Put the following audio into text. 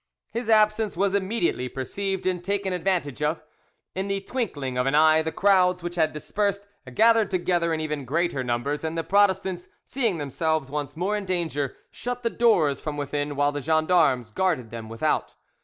His absence was immediately perceived and taken advantage of. In the: twinkling of an eye, the crowds, which had dispersed, gathered together in even greater numbers and the Protestants, seeing themselves once more in danger, shut the doors from within, while the gens d'armes guarded them without.